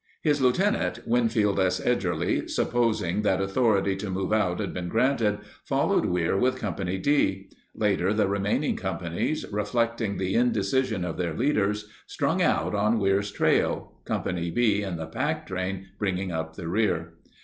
His lieutenant, Winfield S. Edgerly, supposing that authority to move out had been granted, followed Weir with Company D. Later the remaining companies, reflecting the indecision of their leaders, strung out on Weir's trail, Company B and the pack train bringing up the rear.